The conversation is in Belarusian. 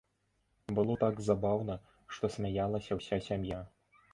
Было так забаўна, што смяялася ўся сям'я.